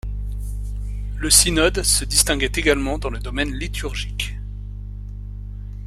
Le synode se distinguait également dans le domaine liturgique.